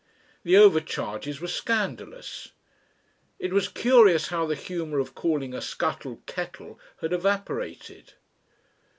The overcharges were scandalous. It was curious how the humour of calling a scuttle "kettle" had evaporated.